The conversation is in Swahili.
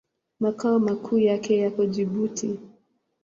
Makao makuu yake yako Jibuti.